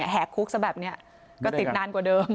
แหกคุกซะแบบนี้ก็ติดนานกว่าเดิม